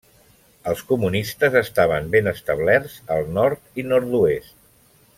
Els comunistes estaven ben establerts al nord i nord-oest.